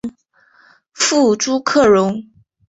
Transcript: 父朱克融。